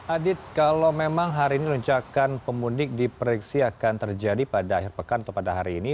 adit kalau memang hari ini luncakan pemudik diprediksi akan terjadi pada akhir pekan atau pada hari ini